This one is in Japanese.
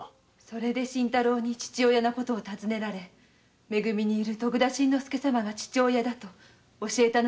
それで新太郎に父親の事を聞かれめ組にいる徳田新之助様が父親だと。